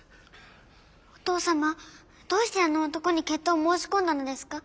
お父様どうしてあの男に決闘を申し込んだのですか？